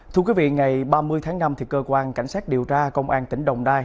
thưa quý vị ngày ba mươi tháng năm cơ quan cảnh sát điều tra công an tỉnh đồng nai